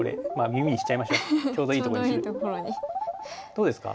どうですか？